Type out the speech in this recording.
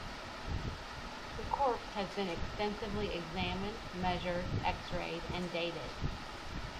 The corpse has been extensively examined, measured, X-rayed, and dated.